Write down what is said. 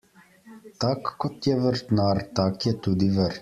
Tak kot je vrtnar, tak je tudi vrt.